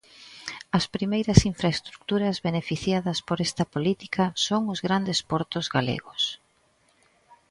As primeiras infraestruturas beneficiadas por esta política son os grandes portos galegos.